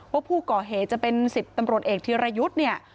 ว่าผู้ก่อเหตุจะเป็น๑๐ตำรวจเอกธีรยุทธ์เนี่ย